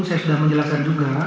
saya sudah menjelaskan juga